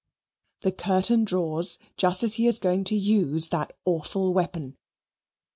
The curtain draws just as he is going to use that awful weapon.